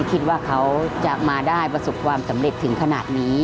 คิดว่าเขาจะมาได้ประสบความสำเร็จถึงขนาดนี้